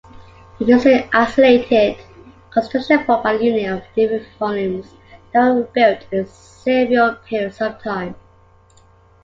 It is an isolated construction formed by the union of different volumes that were built in several periods of time.